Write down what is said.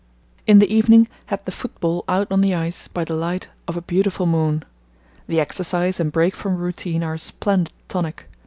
In the evening had the football out on the ice by the light of a beautiful moon. The exercise and break from routine are a splendid tonic.